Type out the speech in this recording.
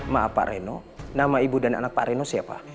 maaf pak reno nama ibu dan anak pak reno siapa